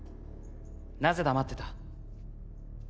なぜ黙ってた？